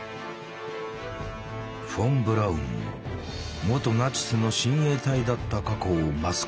フォン・ブラウンも元ナチスの親衛隊だった過去をマスコミに暴かれた。